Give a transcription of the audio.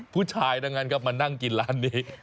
ผู้ชายทั้งนั้นครับมานั่งกินร้านนี้